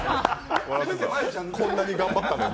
こんなに頑張ったのに。